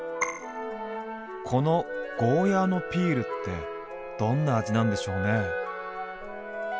この「ゴーヤーのピール」ってどんな味なんでしょうね？